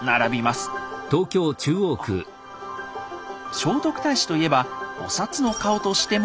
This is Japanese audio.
聖徳太子と言えばお札の顔としても有名。